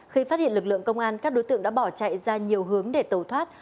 khi phát hiện lực lượng công an các đối tượng đã bỏ chạy ra nhiều hướng để tẩu thoát